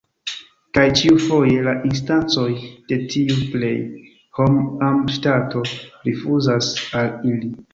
Kaj ĉiufoje la instancoj de tiu „plej hom-ama ŝtato” rifuzas al ili.